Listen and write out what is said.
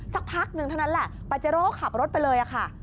สักพักหนึ่งเท่านั้นแหละปาเจโร่ก็ขับรถไปเลยค่ะ